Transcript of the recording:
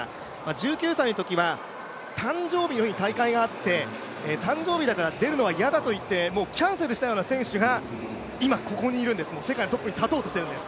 １９歳のときは誕生日の日に大会があって誕生日だから出るのは嫌だといってキャンセルしたような選手が今、ここにいるんです、世界のトップに立とうとしているんです。